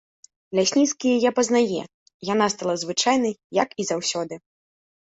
Лясніцкі яе пазнае, яна стала звычайная, як і заўсёды.